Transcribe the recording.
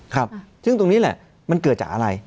ครับซึ่งตรงนี้แหละมันเกิดจากอะไร